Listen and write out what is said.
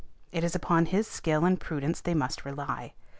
It is upon his skill and prudence they must rely.